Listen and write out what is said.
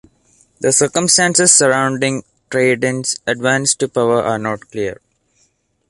The circumstances surrounding Traidenis' advance to power are not clear.